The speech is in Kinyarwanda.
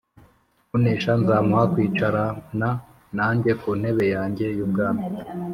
“Unesha nzamuha kwicarana nanjye ku ntebe yanjye y’ubwami,